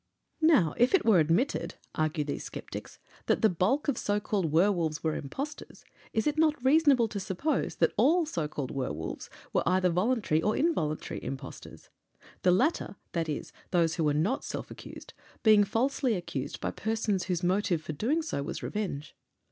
Now, if it were admitted, argue these sceptics, that the bulk of so called werwolves were impostors, is it not reasonable to suppose that all so called werwolves were either voluntary or involuntary impostors? the latter, i.e., those who were not self accused, being falsely accused by persons whose motive for so doing was revenge.